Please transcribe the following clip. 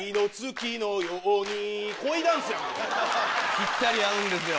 ぴったり合うんですよ。